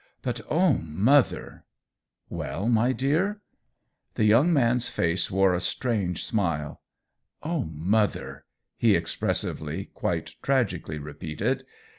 But oh, mother !"" Well, my dear ?'' The young man's face wore a strange smile. " Oh, mother !" he expressively, quite tragically repeated.